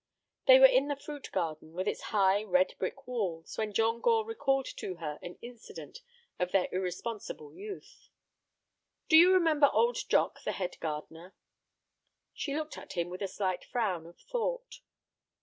They were in the fruit garden, with its high, red brick walls, when John Gore recalled to her an incident of their irresponsible youth. "Do you remember old Jock, the head gardener?" She looked at him with a slight frown of thought.